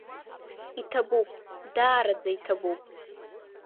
Иҭабуп, даараӡа иҭабуп!